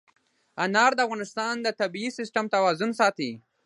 انار د افغانستان د طبعي سیسټم توازن ساتي.